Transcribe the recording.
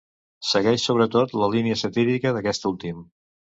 Segueix sobretot la línia satírica d'aquest últim.